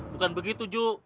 bukan begitu ju